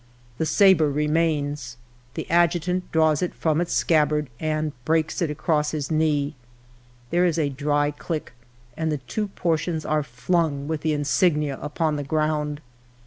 "The sabre remains : the adjutant draws it from its scabbard and breaks it across his knee. There is a dry click, and the two portions are flung with the insignia upon the ground.